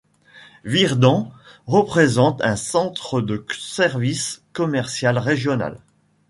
Virden représente un centre de service commercial régional.